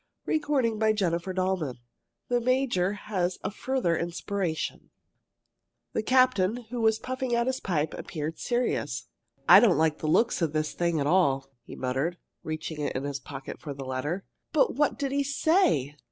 they clamored. CHAPTER XVIII THE MAJOR HAS A FURTHER INSPIRATION The captain, who was puffing at his pipe, appeared serious. "I don't like the looks of this thing at all," he muttered, reaching in his pocket for the letter. "But what did he say?